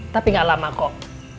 tapi gak lama kok